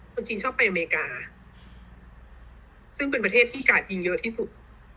คนจีนชอบไปอเมริกาซึ่งเป็นประเทศที่การยิงเยอะที่สุด